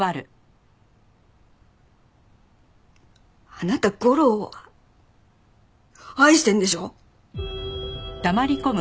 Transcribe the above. あなた吾良を愛してるんでしょ？